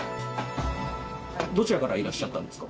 どちらからいらっしゃったんですか？